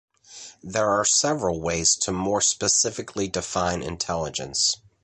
There are several ways to more specifically define intelligence.